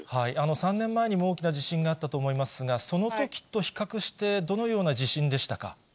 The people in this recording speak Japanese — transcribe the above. ３年前にも大きな地震があったと思いますが、そのときと比較して、どのような地震でしたか。